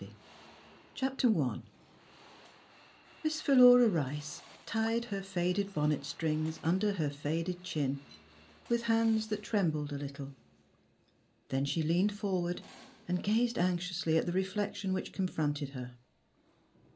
^^^^^^ IISS PHILURA RICE tied her faded bonnet strings under her faded chin with hands that trembled a little ; then she leaned forward and gazed anxiously at the reflection which con fronted her.